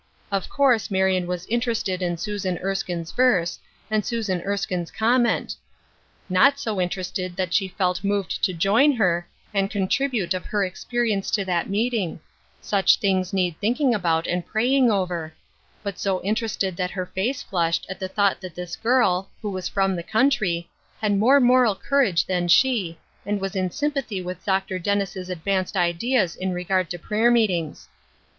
Of couist Marion was interested in Susan Erskine's verse, and Susan Erskine's comments; not so interested 96 Ruth Erskme's Crosses, that she felt moved to join her, and contribute of her experience to that meeting — such things need thinking about and praying over — but so interested that her face flushed at the thought that this girl, who was from the country, had more moral courage than she, and was in sympa thy with Dr. Dennis' advanced ideas in regard to prayer meetings.